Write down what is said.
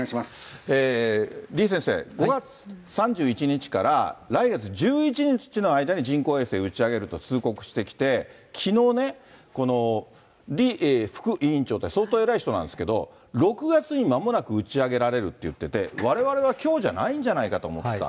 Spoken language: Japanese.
李先生、５月３１日から来月１１日の間に人工衛星打ち上げると通告してきて、きのうね、リ副委員長って、相当偉い人なんですけど、６月にまもなく打ち上げられるって言ってて、われわれはきょうじゃないんじゃないかと思ってた。